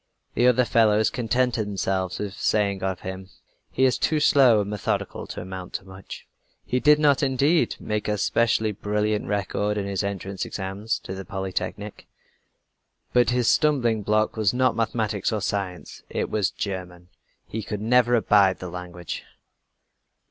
The other fellows contented themselves with saying of him: "He is too slow, and methodical to amount to much." He did not, indeed, make a specially brilliant record in his entrance examinations to the Polytechnique; but his stumbling block was not mathematics or science, it was German! He never could abide the language!